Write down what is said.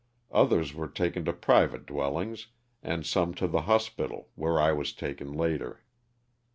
Others were taken to private dwellings, and some to the hospital where I was taken later.